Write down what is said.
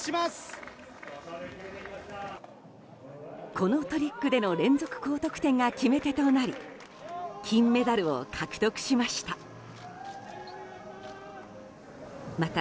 このトリックでの連続高得点が決め手となり金メダルを獲得しました。